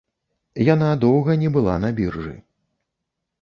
Яна доўга не была на біржы.